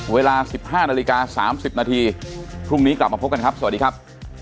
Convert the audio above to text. เวลา๑๕นาฬิกา๓๐นาทีพรุ่งนี้กลับมาพบกันครับสวัสดีครับ